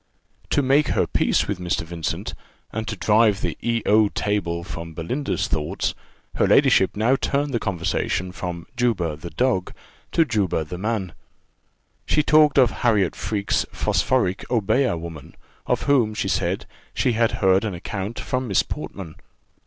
To make her peace with Mr. Vincent, and to drive the E O table from Belinda's thoughts, her ladyship now turned the conversation from Juba the dog, to Juba the man. She talked of Harriot Freke's phosphoric Obeah woman, of whom, she said, she had heard an account from Miss Portman.